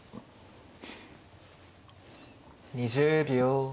２０秒。